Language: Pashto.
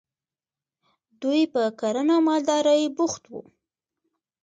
دوی په کرنه او مالدارۍ بوخت وو.